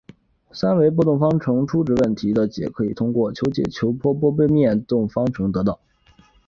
三维波动方程初值问题的解可以通过求解球面波波动方程得到。